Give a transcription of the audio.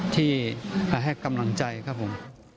ที่ให้กำลังใจครับผม